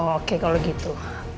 oke kalau gitu